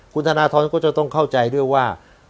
คุณธนทรก็จะต้องเข้าใจด้วยว่า